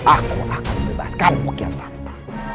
aku akan bebaskanmu kian santai